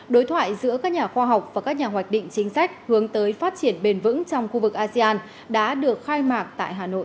đối thoại giữa các nhà khoa học và các nhà hoạch định chính sách hướng tới phát triển bền vững trong khu vực asean đã được khai mạc tại hà nội